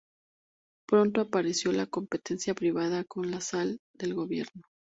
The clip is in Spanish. Pronto apareció la competencia privada con la sal del gobierno.